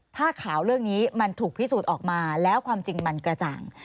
ถ้าข่าวเรื่องนี้มันถูกพิสูจน์ออกมาแล้วความจริงมันกระจ่าง